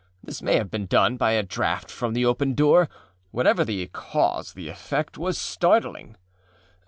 This may have been done by a draught from the opened door; whatever the cause, the effect was startling.